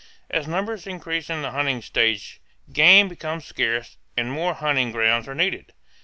As numbers increase in the hunting stage game becomes scarce and more hunting grounds are needed.